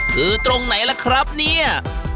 คือตรงไหนล่ะครับเนี่ย